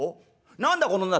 何だこの女！